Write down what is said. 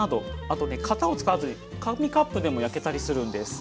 あとね型を使わずに紙カップでも焼けたりするんです。